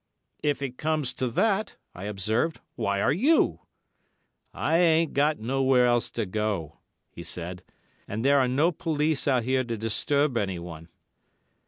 "If it comes to that," I observed, "why are you?" "I ain't got nowhere else to go," he said; "and there are no police out here to disturb anyone."